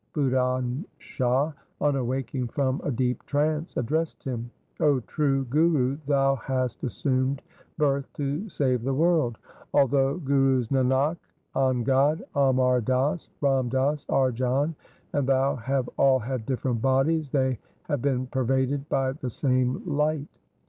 Budhan Shah on awaking from a deep trance addressed him —' 0 true Guru, thou hast assumed birth to save the world. Although Gurus Nanak, Angad, Amar Das, Ram Das, Arjan, and thou have all had different bodies, they have been pervaded by the same light.